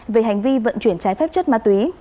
về hành vi vận chuyển trái phép chất ma túy